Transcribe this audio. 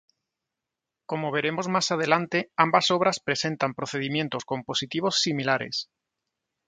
Como veremos más adelante, ambas obras presentan procedimientos compositivos similares.